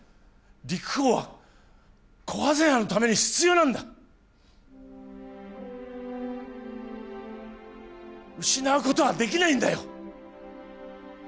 陸王はこはぜ屋のために必要なんだ失うことはできないんだよ